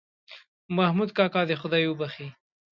محمود کاکا دې خدای وبښې.